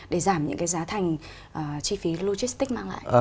để giảm những cái giá thành chi phí logistics mang lại